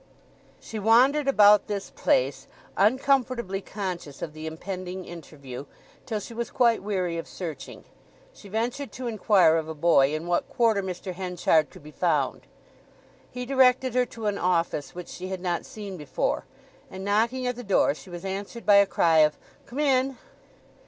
She wandered about this place, uncomfortably conscious of the impending interview, till she was quite weary of searching; she ventured to inquire of a boy in what quarter Mr. Henchard could be found. He directed her to an office which she had not seen before, and knocking at the door she was answered by a cry of "Come in."